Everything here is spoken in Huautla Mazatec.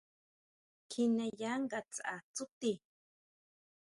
Kjineya ngatsʼa tsúti.